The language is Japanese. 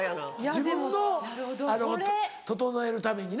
自分の整えるためにな。